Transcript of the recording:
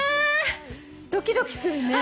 ドキドキするね。